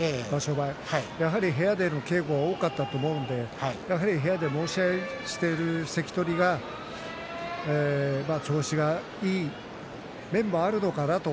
前やはり部屋での稽古が多かったと思うのでやはり部屋で申し合いをしている関取が調子がいい面もあるのかなと